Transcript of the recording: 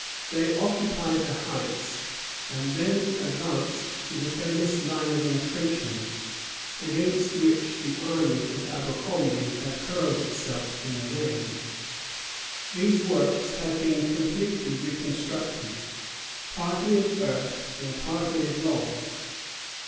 They occupied the heights, and then advanced to the famous line of intrenchment against which the army of Abercromby had hurled itself in vain. These works had been completely reconstructed, partly of earth, and partly of logs.